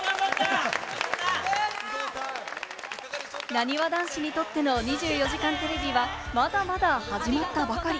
なにわ男子にとっての『２４時間テレビ』はまだまだ始まったばかり。